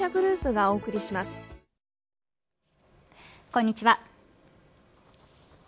こんにちは。